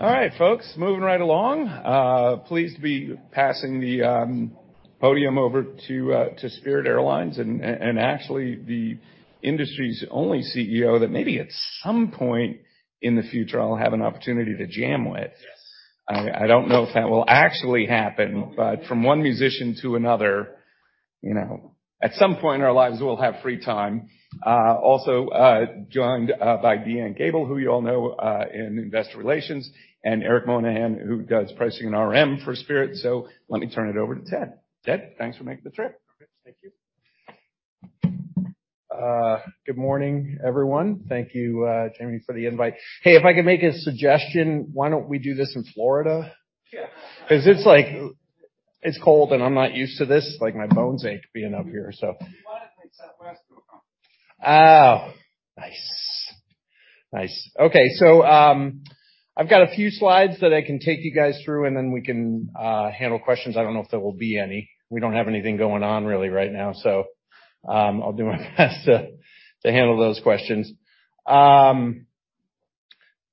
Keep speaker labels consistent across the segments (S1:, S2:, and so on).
S1: All right, folks, moving right along. Pleased to be passing the podium over to Spirit Airlines and actually the industry's only Chief Executive Officer that maybe at some point in the future I'll have an opportunity to jam with.
S2: Yes.
S1: I don't know if that will actually happen. From one musician to another, you know, at some point in our lives, we'll have free time. Also, joined by DeAnne Gabel, who you all know, in investor relations, and Eric Monahan, who does pricing and RM for Spirit. Let me turn it over to Ted. Ted, thanks for making the trip.
S2: Okay. Thank you. Good morning, everyone. Thank you, Jamie, for the invite. Hey, if I could make a suggestion, why don't we do this in Florida?
S1: Yeah.
S2: 'Cause it's like, it's cold, and I'm not used to this. Like, my bones ache being up here, so.
S1: If you want, I can take Southwest.
S2: Oh, nice. Nice. Okay. I've got a few slides that I can take you guys through, and then we can handle questions. I don't know if there will be any. We don't have anything going on really right now, so I'll do my best to handle those questions.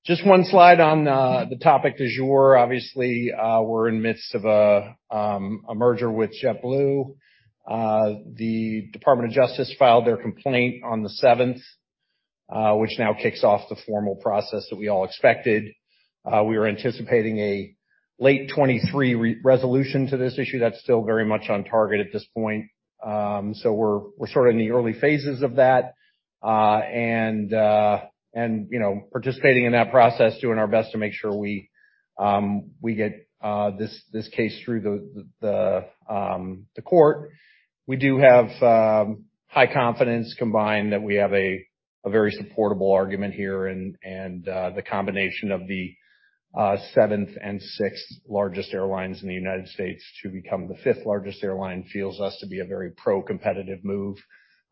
S2: Just one slide on the topic du jour. Obviously, we're in midst of a merger with JetBlue. The Department of Justice filed their complaint on the seventh, which now kicks off the formal process that we all expected. We were anticipating a late 2023 re-resolution to this issue. That's still very much on target at this point. We're sort of in the early phases of that, you know, participating in that process, doing our best to make sure we get this case through the court. We do have high confidence combined that we have a very supportable argument here and the combination of the seventh and sixth largest airlines in the United States to become the fifth largest airline feels us to be a very pro-competitive move.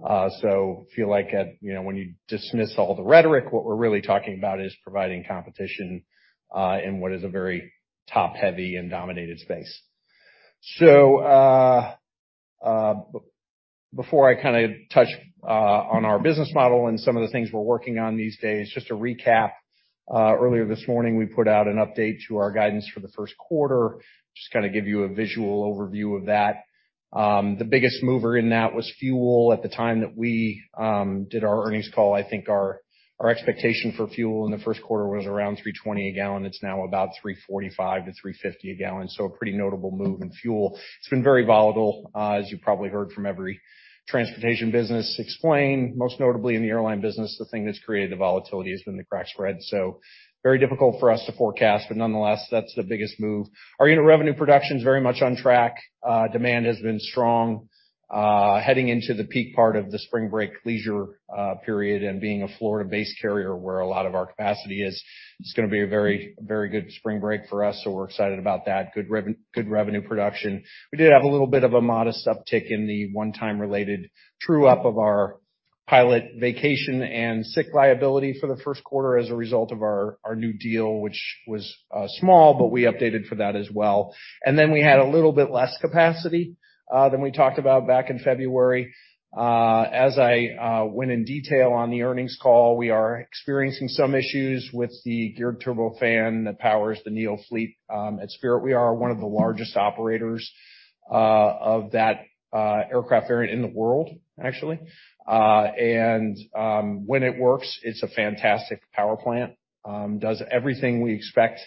S2: Feel like at, you know, when you dismiss all the rhetoric, what we're really talking about is providing competition in what is a very top-heavy and dominated space. Before I kinda touch on our business model and some of the things we're working on these days, just to recap, earlier this morning, we put out an update to our guidance for the first quarter. Just to kinda give you a visual overview of that. The biggest mover in that was fuel. At the time that we did our earnings call, I think our expectation for fuel in the first quarter was around $3.20 a gal. It's now about $3.45-$3.50 a gal. A pretty notable move in fuel. It's been very volatile, as you probably heard from every transportation business explain, most notably in the airline business, the thing that's created the volatility has been the crack spread. Very difficult for us to forecast, but nonetheless, that's the biggest move. Our unit revenue production is very much on track. Demand has been strong, heading into the peak part of the spring break leisure period and being a Florida-based carrier where a lot of our capacity is, it's gonna be a very, very good spring break for us, so we're excited about that. Good revenue production. We did have a little bit of a modest uptick in the one-time related true up of our pilot vacation and sick liability for the first quarter as a result of our new deal, which was small, but we updated for that as well. We had a little bit less capacity than we talked about back in February. As I went in detail on the earnings call, we are experiencing some issues with the Geared Turbofan that powers the Neo fleet. At Spirit, we are one of the largest operators of that aircraft variant in the world, actually. When it works, it's a fantastic power plant. Does everything we expect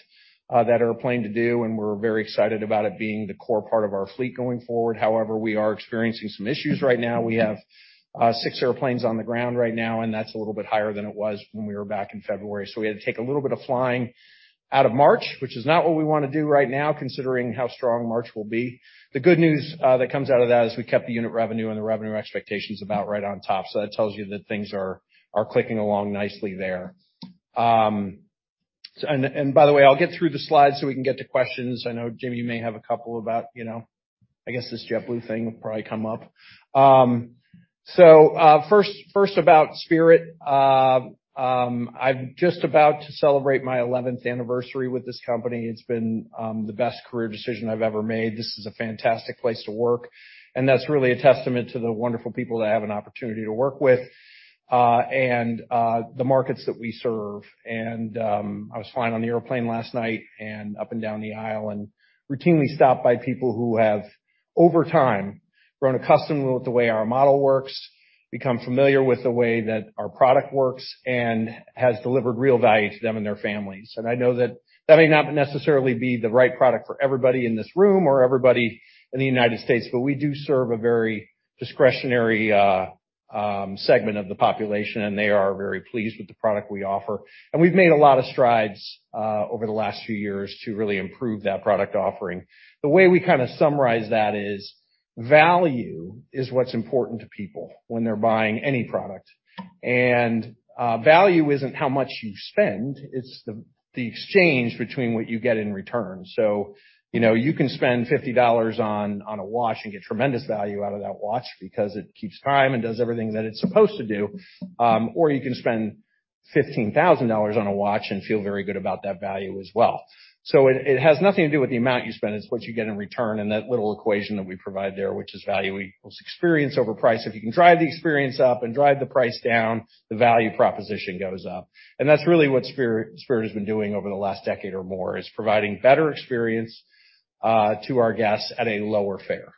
S2: that airplane to do, and we're very excited about it being the core part of our fleet going forward. However, we are experiencing some issues right now. We have six airplanes on the ground right now, and that's a little bit higher than it was when we were back in February. We had to take a little bit of flying out of March, which is not what we wanna do right now, considering how strong March will be. The good news that comes out of that is we kept the unit revenue and the revenue expectations about right on top. That tells you that things are clicking along nicely there. By the way, I'll get through the slides so we can get to questions. I know, Jamie, you may have a couple about, you know, I guess this JetBlue thing will probably come up. First about Spirit. I'm just about to celebrate my 11th anniversary with this company. It's been the best career decision I've ever made. This is a fantastic place to work, and that's really a testament to the wonderful people that I have an opportunity to work with, and the markets that we serve. I was flying on the airplane last night and up and down the aisle and routinely stopped by people who have, over time, grown accustomed with the way our model works, become familiar with the way that our product works, and has delivered real value to them and their families. I know that that may not necessarily be the right product for everybody in this room or everybody in the United States, but we do serve a very discretionary segment of the population, and they are very pleased with the product we offer. We've made a lot of strides over the last few years to really improve that product offering. The way we kinda summarize that is value is what's important to people when they're buying any product. Value isn't how much you spend, it's the exchange between what you get in return. You know, you can spend $50 on a watch and get tremendous value out of that watch because it keeps time and does everything that it's supposed to do. Or you can spend $15,000 on a watch and feel very good about that value as well. It has nothing to do with the amount you spend, it's what you get in return, and that little equation that we provide there, which is value equals experience over price. If you can drive the experience up and drive the price down, the value proposition goes up. That's really what Spirit has been doing over the last decade or more, is providing better experience to our guests at a lower fare.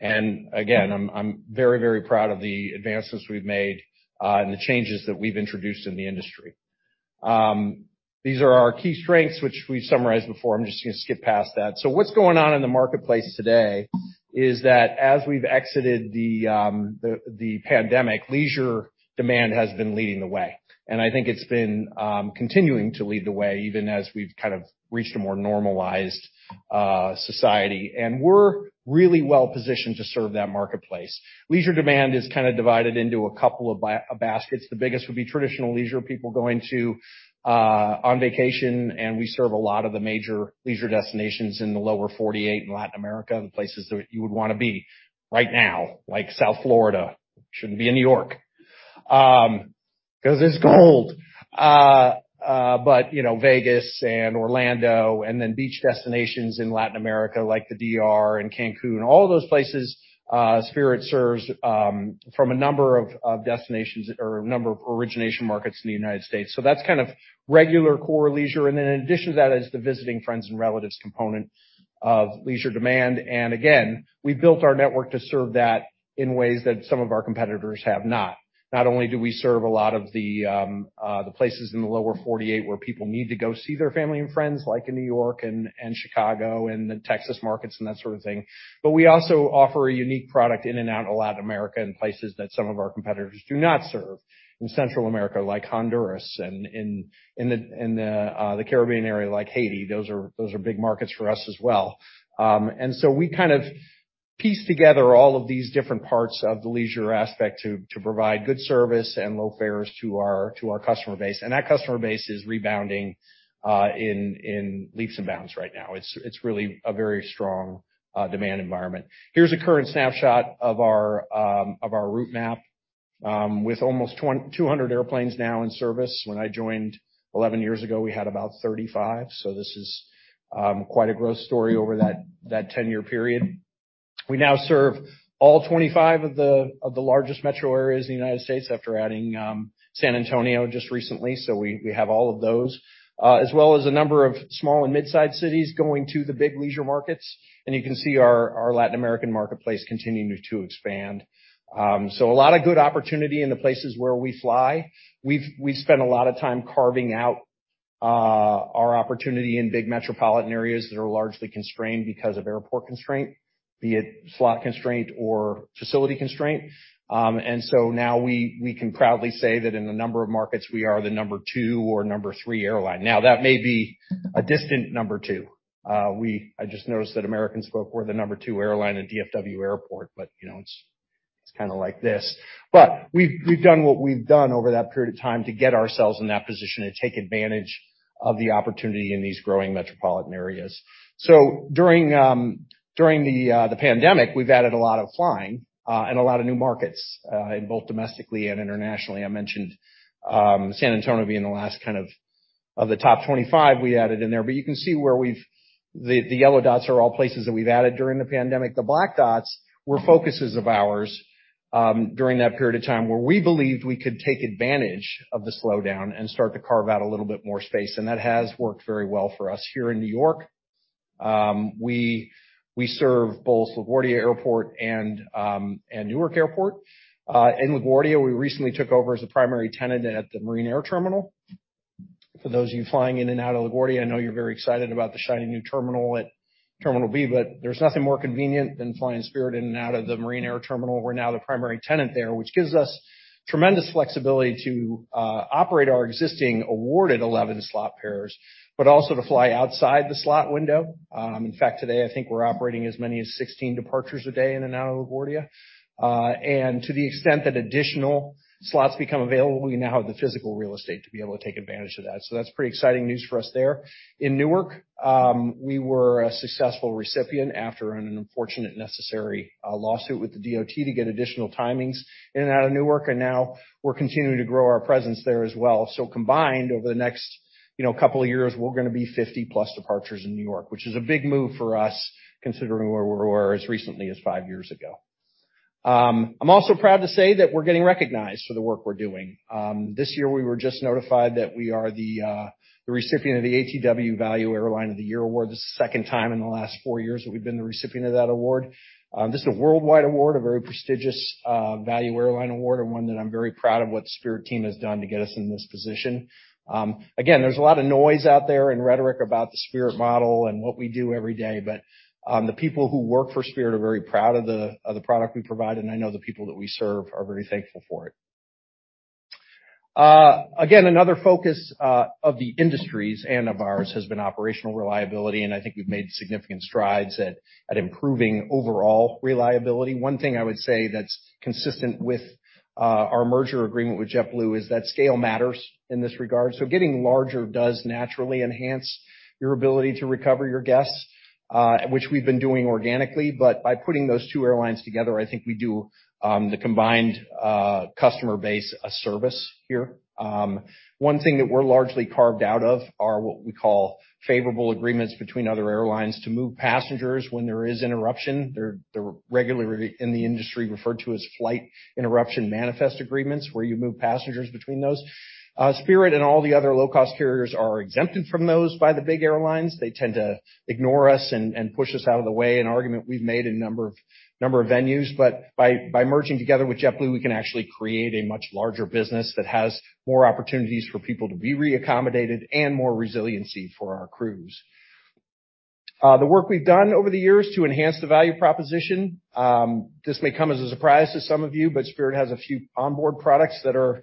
S2: Again, I'm very proud of the advances we've made and the changes that we've introduced in the industry. These are our key strengths, which we summarized before. I'm just gonna skip past that. What's going on in the marketplace today is that as we've exited the pandemic, leisure demand has been leading the way, and I think it's been continuing to lead the way even as we've kind of reached a more normalized society. We're really well-positioned to serve that marketplace. Leisure demand is kind of divided into a couple of baskets. The biggest would be traditional leisure, people going to on vacation, and we serve a lot of the major leisure destinations in the lower 48, in Latin America, and places that you would wanna be right now, like South Florida. Shouldn't be in New York 'cause it's cold. You know, Vegas and Orlando and then beach destinations in Latin America like the DR and Cancun. All of those places Spirit serves from a number of destinations or a number of origination markets in the United States. That's kind of regular core leisure. In addition to that is the visiting friends and relatives component of leisure demand. Again, we've built our network to serve that in ways that some of our competitors have not. Not only do we serve a lot of the places in the lower 48 where people need to go see their family and friends, like in New York and Chicago and the Texas markets and that sort of thing, but we also offer a unique product in and out of Latin America and places that some of our competitors do not serve. In Central America, like Honduras and the Caribbean area like Haiti. Those are big markets for us as well. We kind of piece together all of these different parts of the leisure aspect to provide good service and low fares to our customer base, and that customer base is rebounding in leaps and bounds right now. It's really a very strong demand environment. Here's a current snapshot of our of our route map with almost 200 airplanes now in service. When I joined 11 years ago, we had about 35, this is quite a growth story over that 10-year period. We now serve all 25 of the largest metro areas in the United States after adding San Antonio just recently. We have all of those as well as a number of small and midsize cities going to the big leisure markets. You can see our Latin American marketplace continuing to expand. A lot of good opportunity in the places where we fly. We've spent a lot of time carving out our opportunity in big metropolitan areas that are largely constrained because of airport constraint, be it slot constraint or facility constraint. Now we can proudly say that in a number of markets, we are the number two or number three airline. Now, that may be a distant number two. I just noticed that American spoke we're the number two airline at DFW Airport, but, you know, it's kinda like this. We've, we've done what we've done over that period of time to get ourselves in that position to take advantage of the opportunity in these growing metropolitan areas. During the pandemic, we've added a lot of flying and a lot of new markets, in both domestically and internationally. I mentioned San Antonio being the last kind of of the top 25 we added in there. You can see where we've. The yellow dots are all places that we've added during the pandemic. The black dots were focuses of ours, during that period of time, where we believed we could take advantage of the slowdown and start to carve out a little bit more space. That has worked very well for us here in New York. We, we serve both LaGuardia Airport and Newark Airport. In LaGuardia, we recently took over as a primary tenant at the Marine Air Terminal. For those of you flying in and out of LaGuardia, I know you're very excited about the shiny new terminal at Terminal B, there's nothing more convenient than flying Spirit in and out of the Marine Air Terminal. We're now the primary tenant there, which gives us tremendous flexibility to operate our existing awarded 11 slot pairs, but also to fly outside the slot window. In fact, today I think we're operating as many as 16 departures a day in and out of LaGuardia. To the extent that additional slots become available, we now have the physical real estate to be able to take advantage of that. That's pretty exciting news for us there. In Newark, we were a successful recipient after an unfortunate necessary lawsuit with the DOT to get additional timings in and out of Newark, and now we're continuing to grow our presence there as well. Combined, over the next, you know, couple of years, we're gonna be 50+ departures in New York, which is a big move for us considering where we were as recently as five years ago. I'm also proud to say that we're getting recognized for the work we're doing. This year we were just notified that we are the recipient of the ATW Value Airline of the Year award. This is the second time in the last four years that we've been the recipient of that award. This is a worldwide award, a very prestigious value airline award and one that I'm very proud of what the Spirit team has done to get us in this position. Again, there's a lot of noise out there and rhetoric about the Spirit model and what we do every day, but the people who work for Spirit are very proud of the product we provide, and I know the people that we serve are very thankful for it. Again, another focus of the industries and of ours has been operational reliability, I think we've made significant strides at improving overall reliability. One thing I would say that's consistent with our merger agreement with JetBlue is that scale matters in this regard. Getting larger does naturally enhance your ability to recover your guests, which we've been doing organically. By putting those two airlines together, I think we do the combined customer base a service here. One thing that we're largely carved out of are what we call favorable agreements between other airlines to move passengers when there is interruption. They're regularly in the industry referred to as Flight Interruption Manifest agreements, where you move passengers between those. Spirit and all the other low-cost carriers are exempted from those by the big airlines. They tend to ignore us and push us out of the way, an argument we've made in a number of venues. By merging together with JetBlue, we can actually create a much larger business that has more opportunities for people to be reaccommodated and more resiliency for our crews. The work we've done over the years to enhance the value proposition, this may come as a surprise to some of you, but Spirit has a few onboard products that are,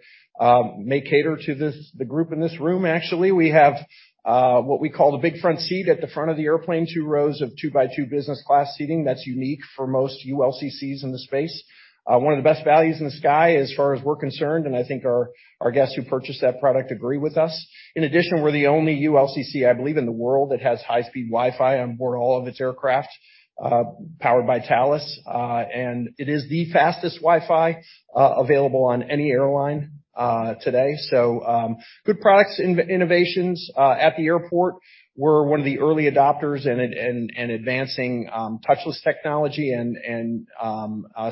S2: may cater to the group in this room, actually. We have what we call the Big Front Seat at the front of the airplane, two rows of two-by-two business class seating that's unique for most ULCCs in the space. One of the best values in the sky as far as we're concerned, and I think our guests who purchase that product agree with us. In addition, we're the only ULCC, I believe, in the world that has high-speed Wi-Fi on board all of its aircraft, powered by Thales. And it is the fastest Wi-Fi available on any airline today. Good products innovations at the airport. We're one of the early adopters in advancing touchless technology and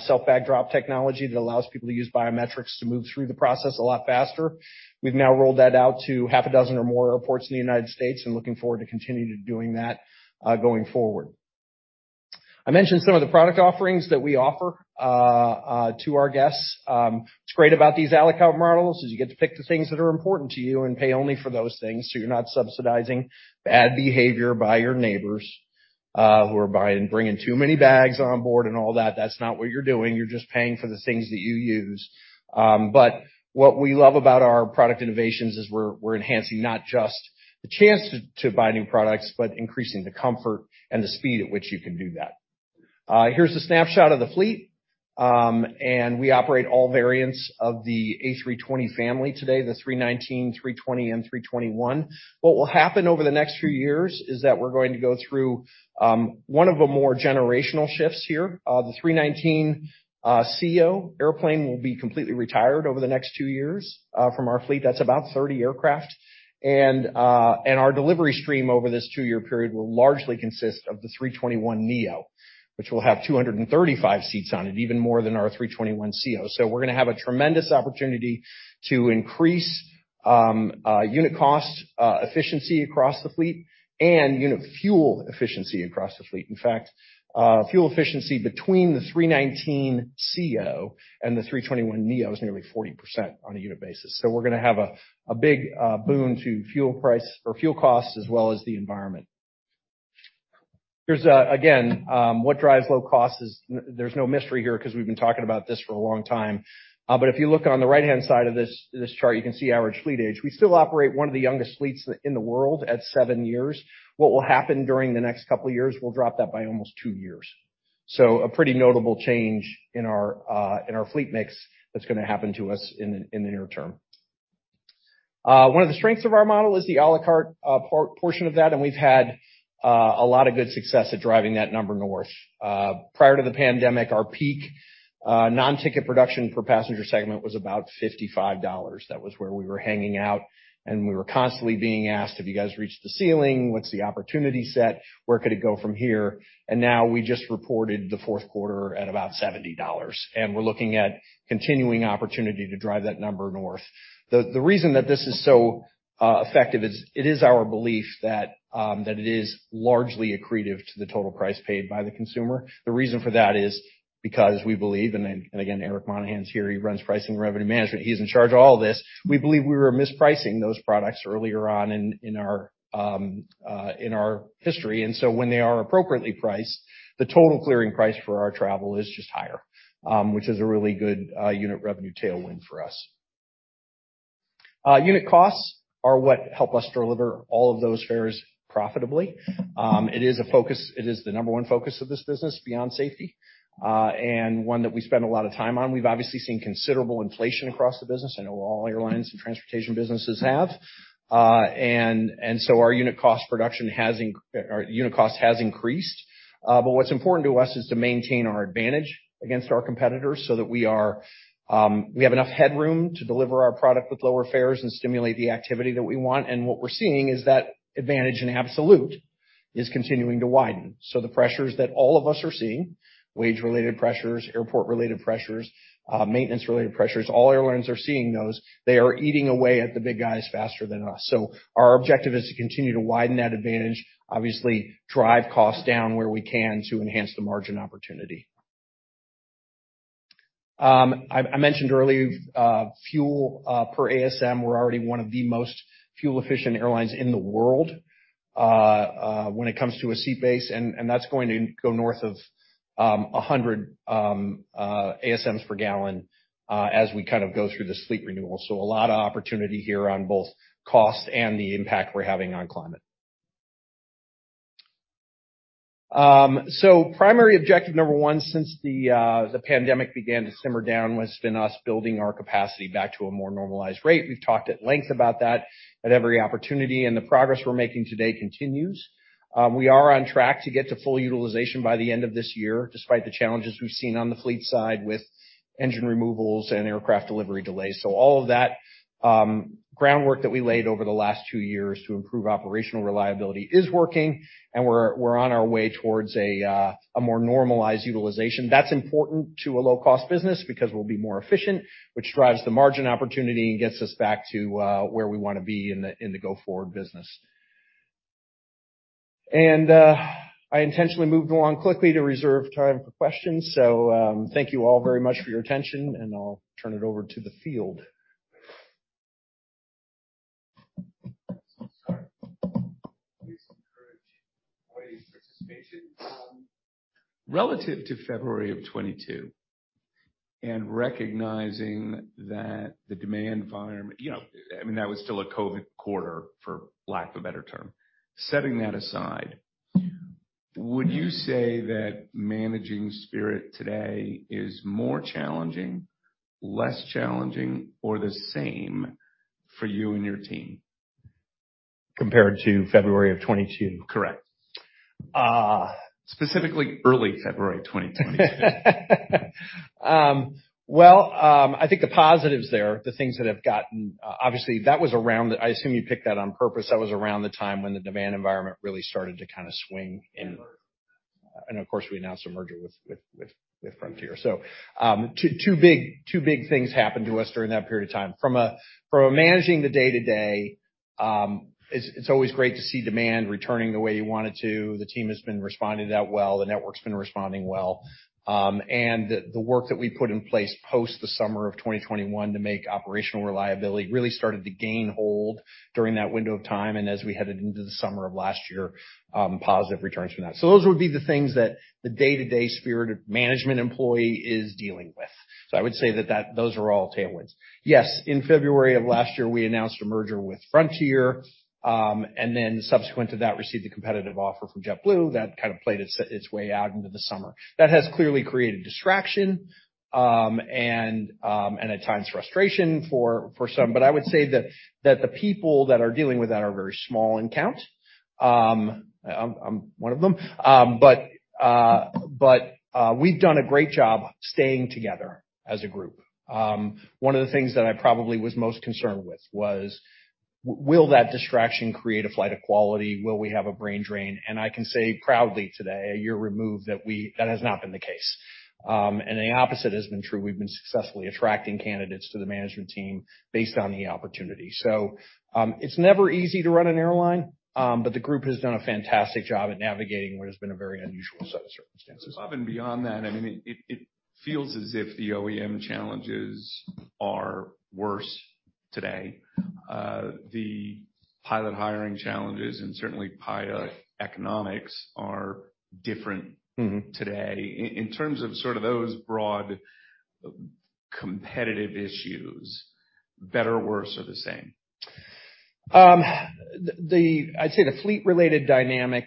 S2: self-bag drop technology that allows people to use biometrics to move through the process a lot faster. We've now rolled that out to half a dozen or more airports in the United States and looking forward to continue to doing that going forward. I mentioned some of the product offerings that we offer to our guests. What's great about these à la carte models is you get to pick the things that are important to you and pay only for those things, so you're not subsidizing bad behavior by your neighbors who are bringing too many bags on board and all that. That's not what you're doing. You're just paying for the things that you use. What we love about our product innovations is we're enhancing not just the chance to buy new products, but increasing the comfort and the speed at which you can do that. Here's a snapshot of the fleet. We operate all variants of the A320 family today, the A319, A320, and A321. What will happen over the next few years is that we're going to go through one of the more generational shifts here. The A319ceo airplane will be completely retired over the next two-years from our fleet. That's about 30 aircraft. Our delivery stream over this two-year period will largely consist of the A321neo, which will have 235 seats on it, even more than our A321ceo. We're gonna have a tremendous opportunity to increase unit cost efficiency across the fleet and unit fuel efficiency across the fleet. In fact, fuel efficiency between the A319ceo and the A321neo is nearly 40% on a unit basis. We're gonna have a big boom to fuel costs as well as the environment. Here's again, what drives low costs is there's no mystery here 'cause we've been talking about this for a long time. If you look on the right-hand side of this chart, you can see average fleet age. We still operate one of the youngest fleets in the world at seven years. What will happen during the next couple of years, we'll drop that by almost two years. A pretty notable change in our in our fleet mix that's gonna happen to us in the in the near term. One of the strengths of our model is the à la carte portion of that, and we've had a lot of good success at driving that number north. Prior to the pandemic, our peak non-ticket production per passenger segment was about $55. That was where we were hanging out, and we were constantly being asked, "Have you guys reached the ceiling? What's the opportunity set? Where could it go from here?" Now we just reported the fourth quarter at about $70, and we're looking at continuing opportunity to drive that number north. The reason that this is so effective is it is our belief that it is largely accretive to the total price paid by the consumer. The reason for that is because we believe, and again, Eric Monahan's here, he runs pricing revenue management, he's in charge of all this. We believe we were mispricing those products earlier on in our history, and so when they are appropriately priced, the total clearing price for our travel is just higher, which is a really good unit revenue tailwind for us. Unit costs are what help us deliver all of those fares profitably. It is the number one focus of this business beyond safety, and one that we spend a lot of time on. We've obviously seen considerable inflation across the business. I know all airlines and transportation businesses have. And so our unit cost has increased. But what's important to us is to maintain our advantage against our competitors so that we are, we have enough headroom to deliver our product with lower fares and stimulate the activity that we want. What we're seeing is that advantage in absolute is continuing to widen. The pressures that all of us are seeing, wage-related pressures, airport-related pressures, maintenance-related pressures, all airlines are seeing those. They are eating away at the big guys faster than us. Our objective is to continue to widen that advantage, obviously drive costs down where we can to enhance the margin opportunity. I mentioned earlier, fuel per ASM, we're already one of the most fuel-efficient airlines in the world, when it comes to a seat base, and that's going to go north of 100 ASMs per gal, as we kind of go through this fleet renewal. A lot of opportunity here on both cost and the impact we're having on climate. Primary objective number one since the pandemic began to simmer down has been us building our capacity back to a more normalized rate. We've talked at length about that at every opportunity, the progress we're making today continues. We are on track to get to full utilization by the end of this year, despite the challenges we've seen on the fleet side with engine removals and aircraft delivery delays. All of that groundwork that we laid over the last two-years to improve operational reliability is working, and we're on our way towards a more normalized utilization. That's important to a low-cost business because we'll be more efficient, which drives the margin opportunity and gets us back to where we wanna be in the go-forward business. I intentionally moved along quickly to reserve time for questions. Thank you all very much for your attention, and I'll turn it over to the field.
S1: Sorry. Please encourage participation. Relative to February of 2022 and recognizing that the demand environment, you know, I mean, that was still a Covid quarter, for lack of a better term. Setting that aside, would you say that managing Spirit today is more challenging, less challenging, or the same for you and your team?
S2: Compared to February of 2022?
S1: Correct.
S2: Uh-
S1: Specifically, early February 2022.
S2: Well, I think the positives there, the things that have gotten, obviously, that was around. I assume you picked that on purpose. That was around the time when the demand environment really started to kinda swing, and of course, we announced a merger with Frontier. Two big things happened to us during that period of time. From managing the day to day, it's always great to see demand returning the way you want it to. The team has been responding to that well. The network's been responding well. The work that we put in place post the summer of 2021 to make operational reliability really started to gain hold during that window of time and as we headed into the summer of last year, positive returns from that. Those would be the things that the day-to-day Spirit management employee is dealing with. I would say that those are all tailwinds. Yes. In February of last year, we announced a merger with Frontier, and then subsequent to that, received a competitive offer from JetBlue that kind of played its way out into the summer. That has clearly created distraction, and at times frustration for some. I would say that the people that are dealing with that are very small in count. I'm one of them. We've done a great job staying together as a group. One of the things that I probably was most concerned with was, will that distraction create a flight of quality? Will we have a brain drain? I can say proudly today, a year removed, that has not been the case. The opposite has been true. We've been successfully attracting candidates to the management team based on the opportunity. It's never easy to run an airline, but the group has done a fantastic job at navigating what has been a very unusual set of circumstances.
S1: Above and beyond that, I mean, it feels as if the OEM challenges are worse today. The pilot hiring challenges and certainly pilot economics are different.
S2: Mm-hmm.
S1: Today. In terms of sort of those broad competitive issues, better, worse, or the same?
S2: I'd say the fleet-related dynamic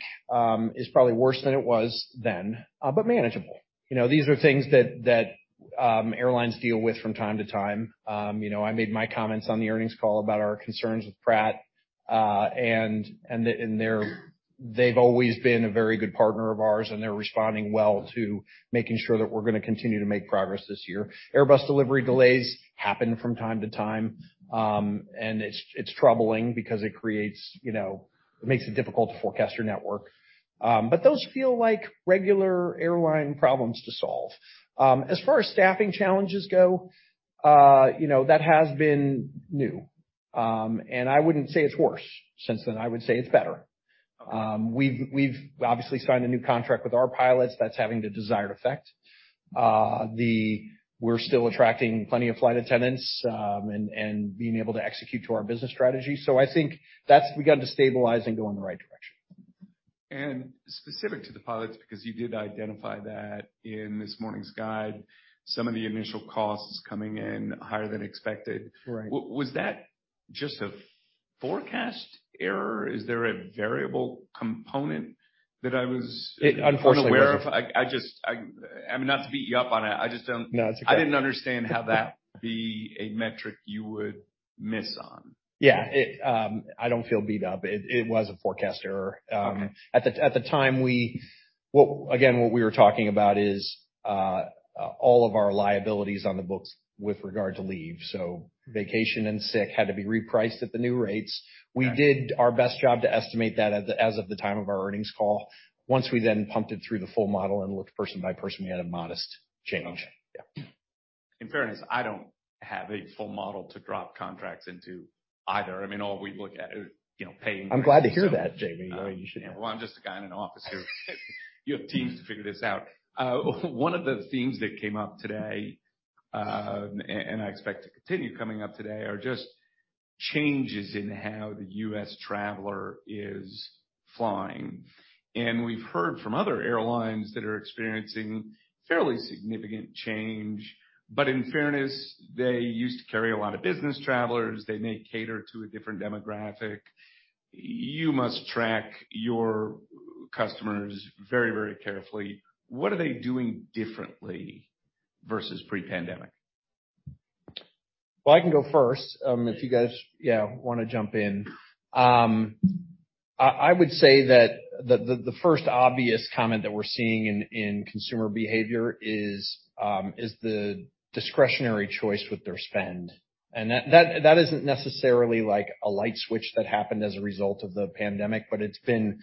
S2: is probably worse than it was then, but manageable. You know, these are things that airlines deal with from time to time. You know, I made my comments on the earnings call about our concerns with Pratt, and they've always been a very good partner of ours, and they're responding well to making sure that we're gonna continue to make progress this year. Airbus delivery delays happen from time to time, and it's troubling because it creates, you know, it makes it difficult to forecast your network. Those feel like regular airline problems to solve. As far as staffing challenges go, you know, that has been new. I wouldn't say it's worse since then. I would say it's better. We've obviously signed a new contract with our pilots that's having the desired effect. We're still attracting plenty of flight attendants, and being able to execute to our business strategy. I think that's begun to stabilize and go in the right direction.
S1: Specific to the pilots, because you did identify that in this morning's guide, some of the initial costs coming in higher than expected.
S2: Right.
S1: Was that just a forecast error? Is there a variable component?
S2: It unfortunately.
S1: Unaware of? I just, I mean, not to beat you up on it. I just don't.
S2: No, it's okay.
S1: I didn't understand how that would be a metric you would miss on.
S2: Yeah. It, I don't feel beat up. It was a forecast error. At the time, again, what we were talking about is all of our liabilities on the books with regard to leave. Vacation and sick had to be repriced at the new rates. We did our best job to estimate that as of the time of our earnings call. Once we then pumped it through the full model and looked person by person, we had a modest change. Yeah.
S1: In fairness, I don't have a full model to drop contracts into either. I mean, all we look at, you know.
S2: I'm glad to hear that, Jamie. You know.
S1: Well, I'm just a guy in an office here. You have teams to figure this out. One of the themes that came up today, and I expect to continue coming up today are just changes in how the U.S. traveler is flying. We've heard from other airlines that are experiencing fairly significant change. In fairness, they used to carry a lot of business travelers. They may cater to a different demographic. You must track your customers very, very carefully. What are they doing differently versus pre-pandemic?
S2: Well, I can go first, if you guys, yeah, wanna jump in. I would say that the first obvious comment that we're seeing in consumer behavior is the discretionary choice with their spend. That isn't necessarily like a light switch that happened as a result of the pandemic, but it's been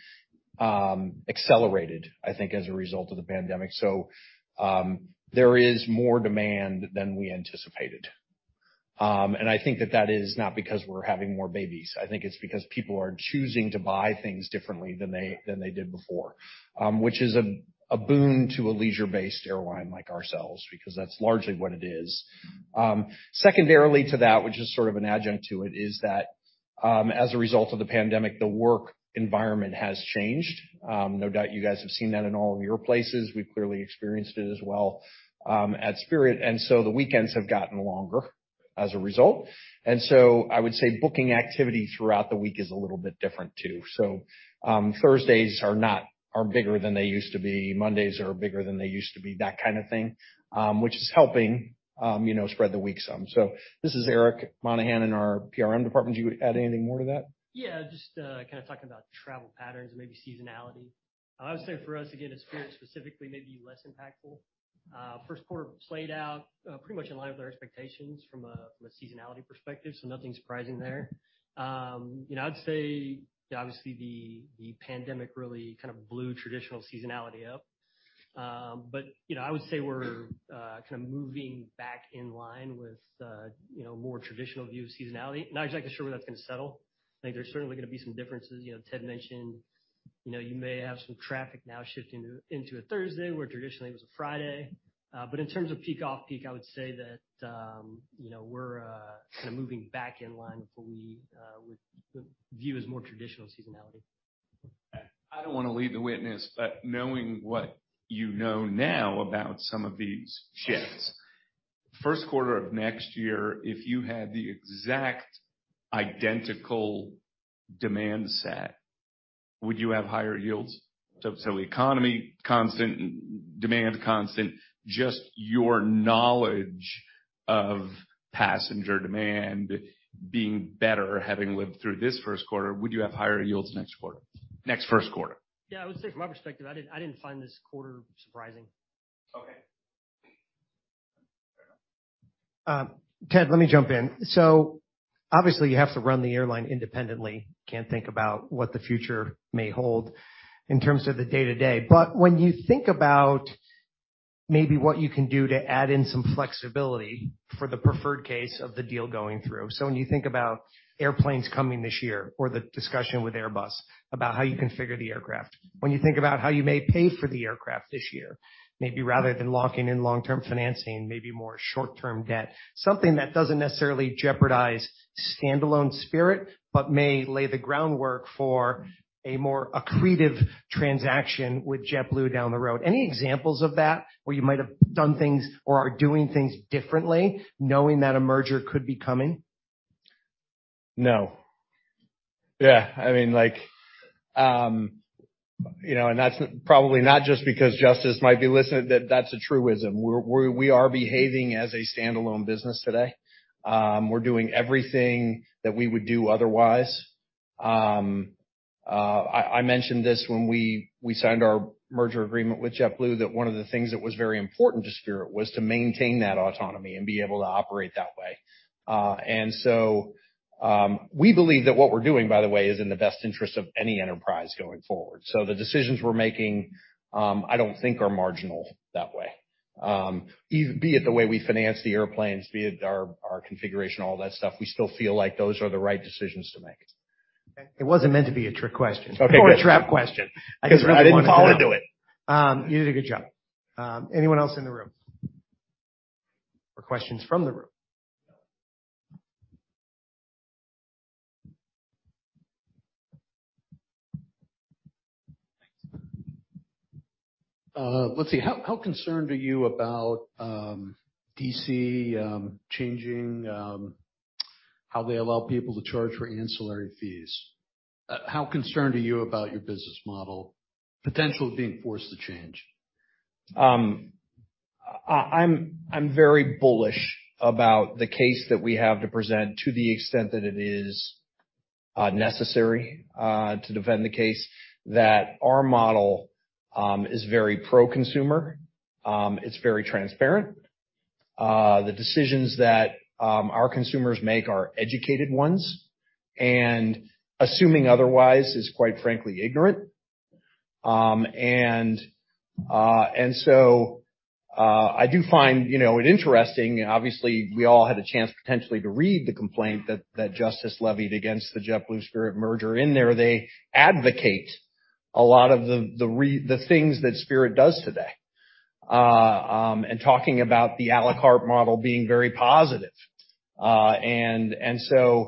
S2: accelerated, I think, as a result of the pandemic. There is more demand than we anticipated. I think that that is not because we're having more babies. I think it's because people are choosing to buy things differently than they did before. Which is a boon to a leisure-based airline like ourselves, because that's largely what it is. Secondarily to that, which is sort of an adjunct to it, is that, as a result of the pandemic, the work environment has changed. No doubt you guys have seen that in all of your places. We've clearly experienced it as well, at Spirit. The weekends have gotten longer as a result. I would say booking activity throughout the week is a little bit different, too. Thursdays are bigger than they used to be. Mondays are bigger than they used to be, that kind of thing, you know, which is helping spread the week some. This is Eric Monahan in our PRM department. Do you add anything more to that?
S3: Yeah. Just kind of talking about travel patterns and maybe seasonality. I would say for us, again, at Spirit specifically, maybe less impactful. First quarter played out pretty much in line with our expectations from a seasonality perspective, so nothing surprising there. You know, I'd say, obviously, the pandemic really kind of blew traditional seasonality up. You know, I would say we're kind of moving back in line with, you know, more traditional view of seasonality. Not exactly sure where that's gonna settle. I think there's certainly gonna be some differences. You know, Ted mentioned, you know, you may have some traffic now shifting into a Thursday where traditionally it was a Friday. in terms of peak off-peak, I would say that, you know, we're kinda moving back in line with what we would view as more traditional seasonality.
S1: I don't wanna lead the witness, knowing what you know now about some of these shifts, first quarter of next year, if you had the exact identical demand set, would you have higher yields? Economy constant, demand constant, just your knowledge of passenger demand being better, having lived through this first quarter, would you have higher yields next first quarter?
S3: Yeah, I would say from my perspective, I didn't find this quarter surprising.
S1: Okay.
S4: Ted, let me jump in. Obviously, you have to run the airline independently. Can't think about what the future may hold in terms of the day-to-day. When you think about maybe what you can do to add in some flexibility for the preferred case of the deal going through. When you think about airplanes coming this year or the discussion with Airbus about how you configure the aircraft, when you think about how you may pay for the aircraft this year, maybe rather than locking in long-term financing, maybe more short-term debt, something that doesn't necessarily jeopardize standalone Spirit, but may lay the groundwork for a more accretive transaction with JetBlue down the road. Any examples of that, where you might have done things or are doing things differently, knowing that a merger could be coming?
S2: No. Yeah, I mean, like, you know, that's probably not just because Justice might be listening. That's a truism. We are behaving as a standalone business today. We're doing everything that we would do otherwise. I mentioned this when we signed our merger agreement with JetBlue, that one of the things that was very important to Spirit was to maintain that autonomy and be able to operate that way. We believe that what we're doing, by the way, is in the best interest of any enterprise going forward. The decisions we're making, I don't think are marginal that way. Be it the way we finance the airplanes, be it our configuration, all that stuff, we still feel like those are the right decisions to make.
S4: It wasn't meant to be a trick question.
S2: Okay.
S4: A trap question.
S2: 'Cause I didn't fall into it.
S1: You did a good job. Anyone else in the room? Questions from the room?
S5: Thanks. Let's see. How concerned are you about D.C. changing how they allow people to charge for ancillary fees? How concerned are you about your business model potentially being forced to change?
S2: I'm very bullish about the case that we have to present to the extent that it is necessary to defend the case that our model is very pro-consumer. It's very transparent. The decisions that our consumers make are educated ones, and assuming otherwise is, quite frankly, ignorant. I do find, you know it interesting. Obviously, we all had a chance, potentially, to read the complaint that Justice levied against the JetBlue-Spirit merger. In there, they advocate a lot of the things that Spirit does today. And talking about the à la carte model being very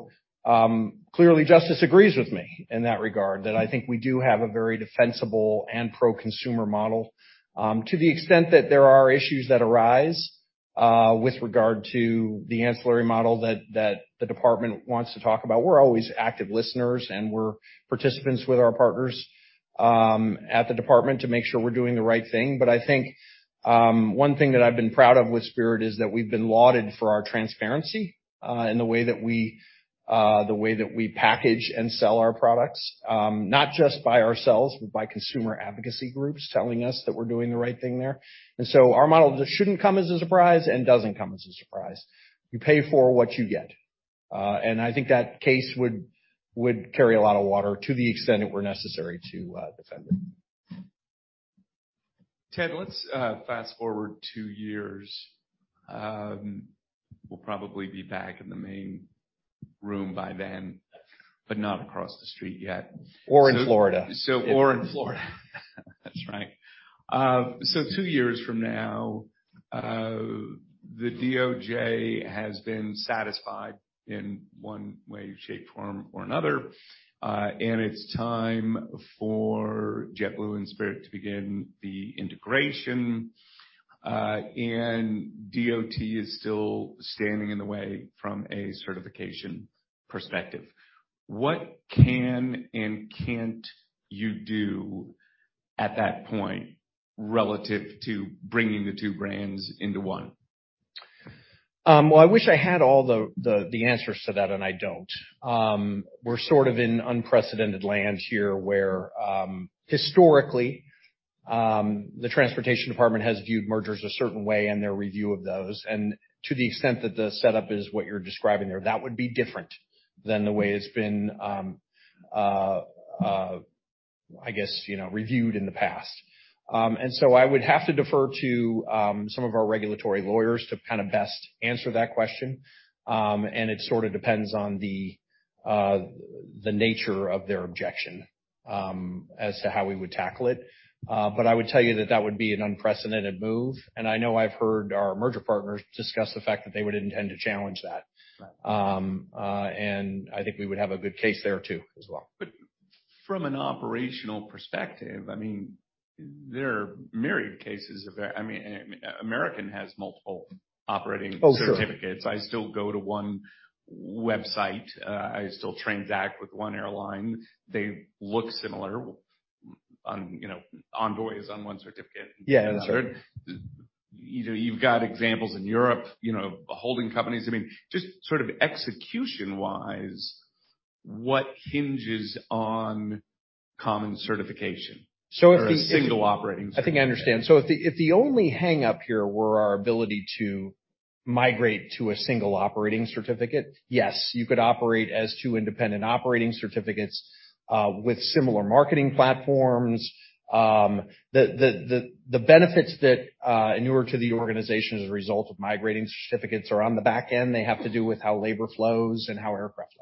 S2: positive. Clearly, Justice agrees with me in that regard, that I think we do have a very defensible and pro-consumer model. To the extent that there are issues that arise with regard to the ancillary model that the department wants to talk about, we're always active listeners, and we're participants with our partners at the department to make sure we're doing the right thing. I think one thing that I've been proud of with Spirit is that we've been lauded for our transparency in the way that we package and sell our products, not just by ourselves, but by consumer advocacy groups telling us that we're doing the right thing there. Our model just shouldn't come as a surprise and doesn't come as a surprise. You pay for what you get. And I think that case would carry a lot of water to the extent it were necessary to defend it.
S1: Ted, let's fast-forward two years. We'll probably be back in the main room by then, but not across the street yet.
S2: In Florida.
S1: Or in Florida. That's right. Two years from now, the DOJ has been satisfied in one way, shape, form or another, and it's time for JetBlue and Spirit to begin the integration, and DOT is still standing in the way from a certification perspective. What can and can't you do at that point relative to bringing the two brands into one?
S2: Well, I wish I had all the answers to that, and I don't. We're sort of in unprecedented land here, where historically, the Transportation Department has viewed mergers a certain way in their review of those. To the extent that the setup is what you're describing there, that would be different than the way it's been, I guess, you know, reviewed in the past. So I would have to defer to some of our regulatory lawyers to kind of best answer that question. It sort of depends on the nature of their objection as to how we would tackle it. I would tell you that that would be an unprecedented move, and I know I've heard our merger partners discuss the fact that they would intend to challenge that. I think we would have a good case there too as well.
S1: From an operational perspective, I mean, there are myriad cases of that. I mean, American has multiple operating certificates.
S2: Oh, sure.
S1: I still go to one website. I still transact with one airline. They look similar on, you know, Envoy is on one certificate.
S2: Yeah, that's right.
S1: You know, you've got examples in Europe, you know, holding companies. I mean, just sort of execution-wise, what hinges on common certification?
S2: So if the-
S1: A single operating certificate.
S2: I think I understand. If the only hang-up here were our ability to migrate to a single operating certificate, yes, you could operate as two independent operating certificates, with similar marketing platforms. The benefits that inure to the organization as a result of migrating certificates are on the back end. They have to do with how labor flows and how aircraft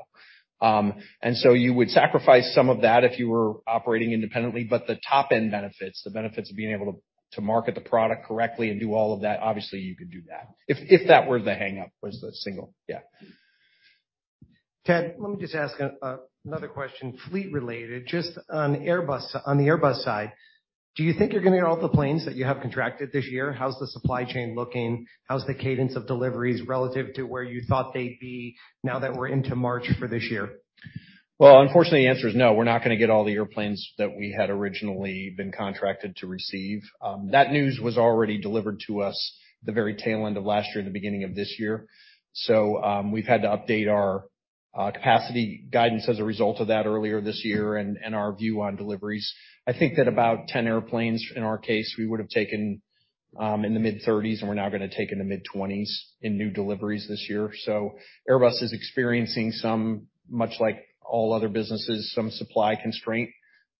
S2: flow. You would sacrifice some of that if you were operating independently. The top-end benefits, the benefits of being able to market the product correctly and do all of that, obviously you could do that. If that were the hang-up, was the single, yeah.
S1: Ted, let me just ask another question, fleet related. Just on Airbus, on the Airbus side, do you think you're gonna get all the planes that you have contracted this year? How's the supply chain looking? How's the cadence of deliveries relative to where you thought they'd be now that we're into March for this year?
S2: Unfortunately, the answer is no. We're not gonna get all the airplanes that we had originally been contracted to receive. That news was already delivered to us the very tail end of last year to the beginning of this year. We've had to update our capacity guidance as a result of that earlier this year and our view on deliveries. I think that about 10 airplanes, in our case, we would have taken in the mid-30s, and we're now gonna take in the mid-20s in new deliveries this year. Airbus is experiencing some, much like all other businesses, some supply constraint,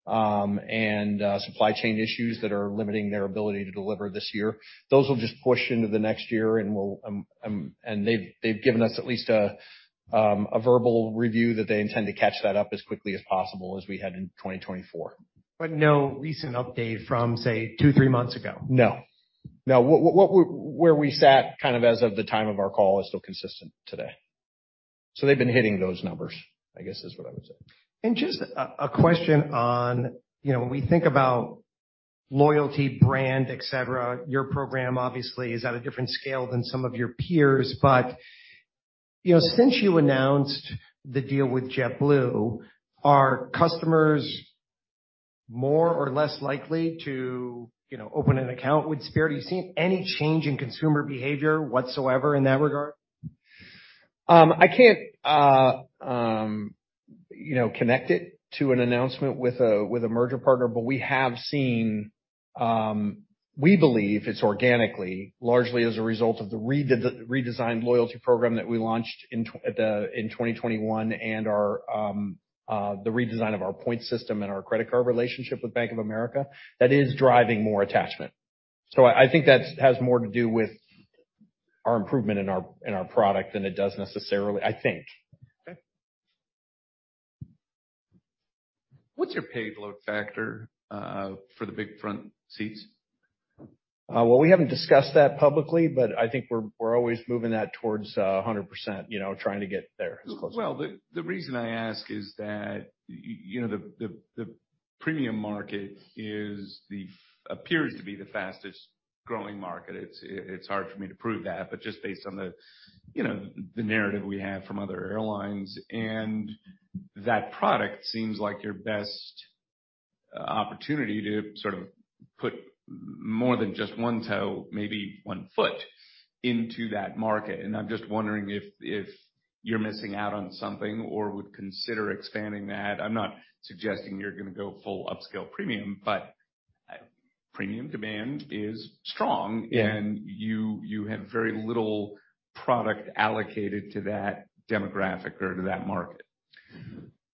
S2: and supply chain issues that are limiting their ability to deliver this year. Those will just push into the next year and they've given us at least a verbal review that they intend to catch that up as quickly as possible as we head into 2024.
S1: No recent update from, say, two, three months ago?
S2: No. No. Where we sat, kind of as of the time of our call is still consistent today. They've been hitting those numbers, I guess is what I would say.
S1: Just a question on, you know, when we think about loyalty, brand, etc., your program obviously is at a different scale than some of your peers. You know, since you announced the deal with JetBlue, are customers more or less likely to, you know, open an account with Spirit? Are you seeing any change in consumer behavior whatsoever in that regard?
S2: I can't, you know, connect it to an announcement with a, with a merger partner, we have seen, we believe it's organically, largely as a result of the redesigned loyalty program that we launched in 2021 and our, the redesign of our points system and our credit card relationship with Bank of America. That is driving more attachment. I think that's has more to do with our improvement in our product than it does necessarily, I think.
S1: Okay. What's your paid load factor, for the Big Front Seats?
S2: Well, we haven't discussed that publicly, but I think we're always moving that towards, 100%, you know, trying to get there as close as we can.
S1: Well, the reason I ask is that you know, the premium market appears to be the fastest growing market. It's hard for me to prove that, but just based on the, you know, the narrative we have from other airlines, and that product seems like your best opportunity to sort of put more than just one toe, maybe one foot into that market. I'm just wondering if you're missing out on something or would consider expanding that. I'm not suggesting you're gonna go full upscale premium demand is strong.
S2: Yeah.
S1: You have very little product allocated to that demographic or to that market.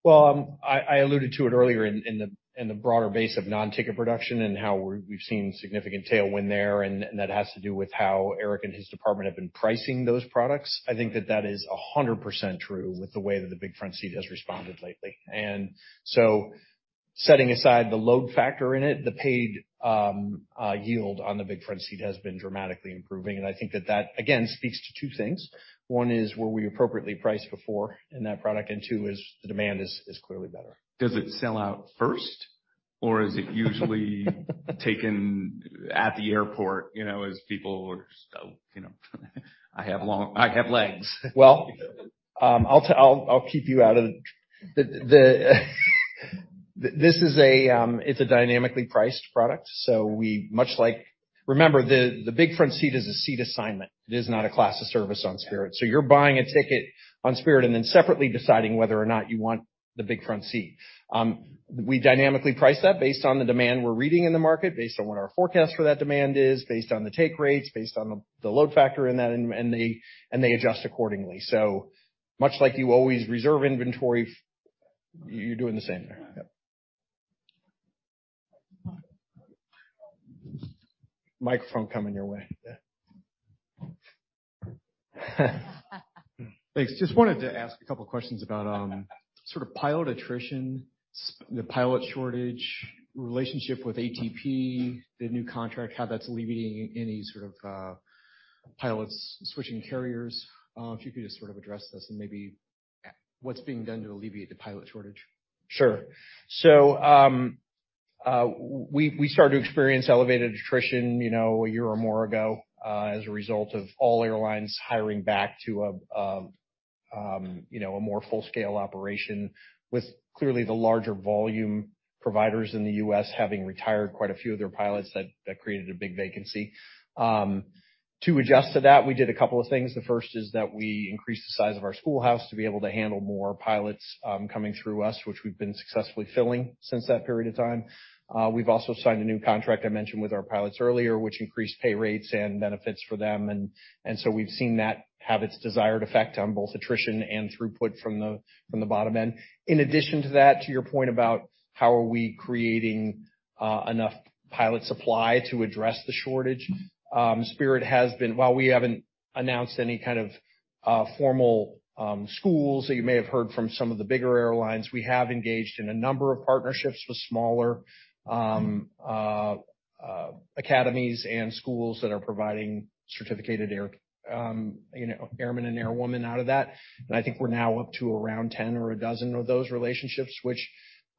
S2: Well, I alluded to it earlier in the broader base of non-ticket revenue and how we've seen significant tailwind there, and that has to do with how Eric and his department have been pricing those products. I think that is 100% true with the way that the Big Front Seat has responded lately. Setting aside the load factor in it, the paid yield on the Big Front Seat has been dramatically improving, and I think that, again, speaks to two things. One is were we appropriately priced before in that product, and two is the demand is clearly better.
S1: Does it sell out first, or is it usually taken at the airport, you know, as people are so, you know, I have long, I have legs?
S2: Well, I'll keep you out of the. This is a dynamically priced product, so we much like. Remember, the Big Front Seat is a seat assignment. It is not a class of service on Spirit. You're buying a ticket on Spirit and then separately deciding whether or not you want the Big Front Seat. We dynamically price that based on the demand we're reading in the market, based on what our forecast for that demand is, based on the take rates, based on the load factor in that, and they adjust accordingly. Much like you always reserve inventory, you're doing the same there. Yep. Microphone coming your way. Yeah.
S1: Thanks. Just wanted to ask a couple questions about, sort of pilot attrition, the pilot shortage, relationship with ATP, the new contract, how that's alleviating any sort of, pilots switching carriers. If you could just sort of address this and maybe what's being done to alleviate the pilot shortage?
S2: Sure. we started to experience elevated attrition, you know, a year or more ago, as a result of all airlines hiring back to a, you know, a more full-scale operation with clearly the larger volume providers in the U.S. having retired quite a few of their pilots that created a big vacancy. To adjust to that, we did a couple of things. The first is that we increased the size of our schoolhouse to be able to handle more pilots coming through us, which we've been successfully filling since that period of time. We've also signed a new contract, I mentioned, with our pilots earlier, which increased pay rates and benefits for them and so we've seen that have its desired effect on both attrition and throughput from the bottom end. In addition to that, to your point about how are we creating enough pilot supply to address the shortage, Spirit has been, while we haven't announced any kind of formal schools that you may have heard from some of the bigger airlines, we have engaged in a number of partnerships with smaller academies and schools that are providing certificated air, you know, airmen and airwomen out of that. I think we're now up to around 10 or a dozen of those relationships, which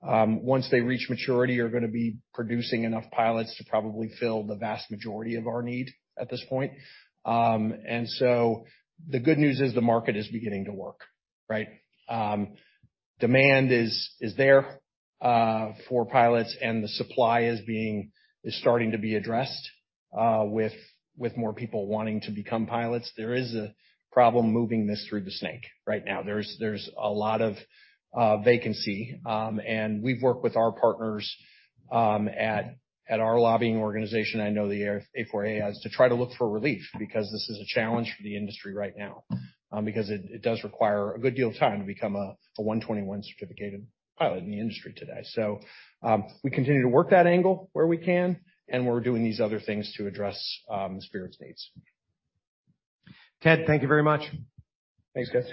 S2: once they reach maturity, are going to be producing enough pilots to probably fill the vast majority of our need at this point. The good news is the market is beginning to work, right? Demand is there for pilots, and the supply is starting to be addressed with more people wanting to become pilots. There is a problem moving this through the snake right now. There's a lot of vacancy, and we've worked with our partners at our lobbying organization, I know the A4A has, to try to look for relief because this is a challenge for the industry right now, because it does require a good deal of time to become a Part 121 certificated pilot in the industry today. We continue to work that angle where we can, and we're doing these other things to address Spirit's needs.
S1: Ted, thank you very much.
S2: Thanks, guys.